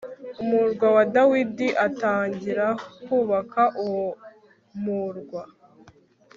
umurwa wa dawidi atangira kubaka uwo murwa